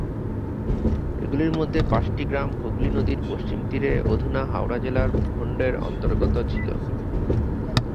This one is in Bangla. এগুলির মধ্যে পাঁচটি গ্রাম হুগলি নদীর পশ্চিম তীরে অধুনা হাওড়া জেলার ভূখণ্ডের অন্তর্গত ছিল।